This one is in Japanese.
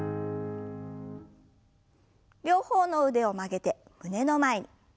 両方の腕を曲げて胸の前に。